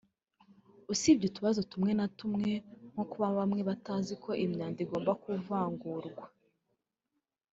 usibye utubazo tumwe na tumwe nko kuba bamwe batazi ko imyanda igomba kuvangurwa